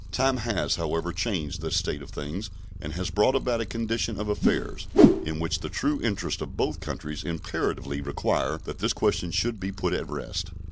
Time has, however, changed this state of things, and has brought about a condition of affairs in which the true interests of both countries imperatively require that this question should be put at rest.